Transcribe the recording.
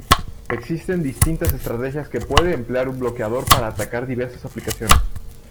Existen distintas estrategias que puede emplear un bloqueador para atacar diversas aplicaciones.